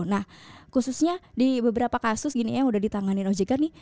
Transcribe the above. nah khususnya di beberapa kasus gini yang udah ditanganin ojk nih